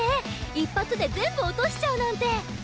一発で全部落としちゃうなんて！